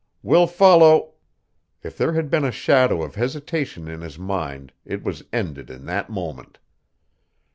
We'll follow " If there had been a shadow of hesitation in his mind it was ended in that moment.